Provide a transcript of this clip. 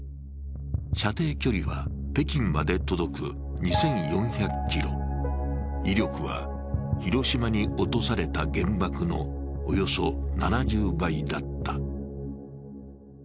射程距離は北京まで届く２４００ｋｍ、威力は、広島に落とされた原爆のおよそ７０倍だった。